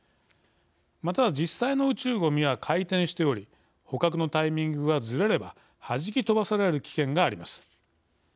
また、実際の宇宙ごみは回転しており捕獲のタイミングがずれればはじき飛ばされる危険があります。